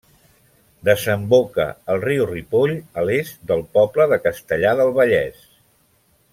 Desemboca al riu Ripoll a l'est del poble de Castellar del Vallès.